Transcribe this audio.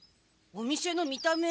お店の見た目